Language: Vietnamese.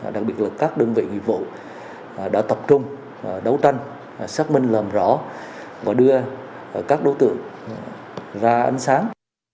đặc biệt là các đơn vị nghiệp vụ đã tập trung đấu tranh xác minh làm rõ và đưa các đối tượng ra ánh sáng